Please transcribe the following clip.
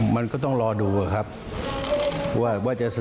มันก็ต้องรอดูเหรอครับว่าจะเสนอย่างไร